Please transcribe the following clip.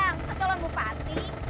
maksudnya calon bupati